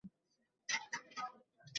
যাও তো, ছুঁয়ো না আমাকে।